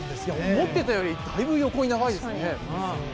思ってたよりだいぶ横に長いですね。